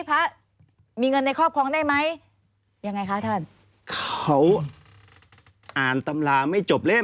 พระมีเงินในครอบครองได้ไหมยังไงคะท่านเขาอ่านตำราไม่จบเล่น